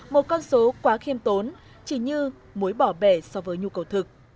một con số quá khiêm tốn chỉ như mối bỏ bể so với nhu cầu thực